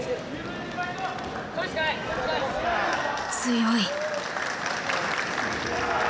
強い！